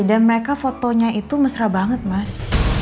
dan mereka fotonya itu mesra banget mas